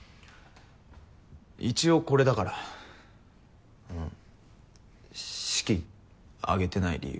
一応これだからうん式挙げてない理由。